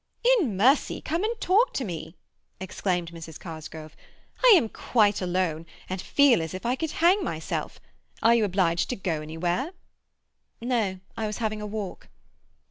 "In mercy, come and talk to me!" exclaimed Mrs. Cosgrove. "I am quite alone, and feel as if I could hang myself. Are you obliged to go anywhere?" "No. I was having a walk."